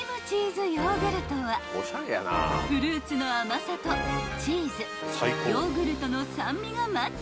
［フルーツの甘さとチーズヨーグルトの酸味がマッチする一品］